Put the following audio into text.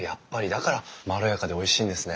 だからまろやかでおいしいんですね。